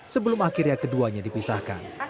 sebelum akhirnya keduanya dipisahkan